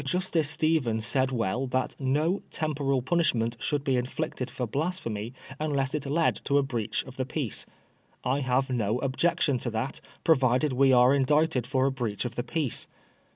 Justice Stephen said well, that no temporal punishment should be inflicted for blasphemy imless it led to a breach of the peace. I have no objection to that, provided we are indicted for a breach of the peace.